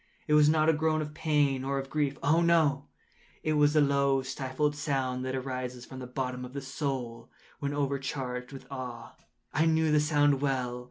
It was not a groan of pain or of grief—oh, no!—it was the low stifled sound that arises from the bottom of the soul when overcharged with awe. I knew the sound well.